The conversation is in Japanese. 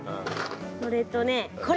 それとねこれ。